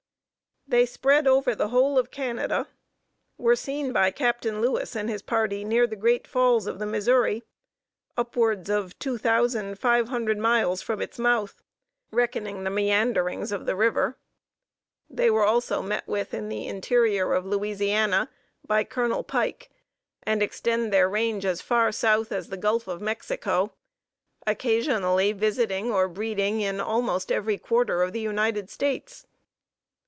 They spread over the whole of Canada; were seen by Captain Lewis and his party near the Great Falls of the Missouri, upwards of two thousand five hundred miles from its mouth, reckoning the meanderings of the river; were also met with in the interior of Louisiana by Colonel Pike; and extend their range as far south as the Gulf of Mexico, occasionally visiting or breeding in almost every quarter of the United States.